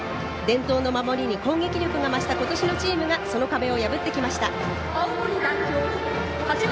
伝統の守りに攻撃力が増した今年のチームがその壁を破ってきました。